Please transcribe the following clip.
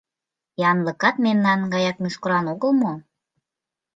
— Янлыкат мемнан гаяк мӱшкыран огыл мо?